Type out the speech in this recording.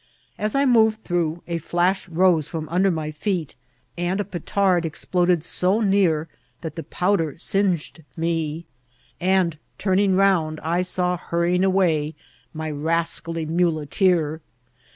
As I moved through, a flash rose firom under my feet, and a petard exploded so near that the powder singed me ; and, turning round, I saw hurrying away my rascally muleteer.